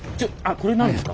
これ何ですか？